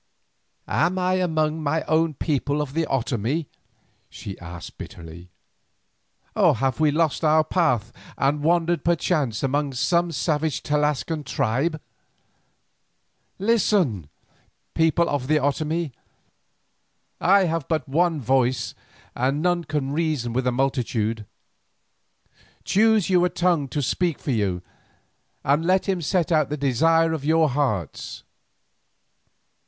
"Am I among my own people of the Otomie?" she asked bitterly, "or have we lost our path and wandered perchance among some savage Tlascalan tribe? Listen, people of the Otomie. I have but one voice and none can reason with a multitude. Choose you a tongue to speak for you, and let him set out the desire of your hearts."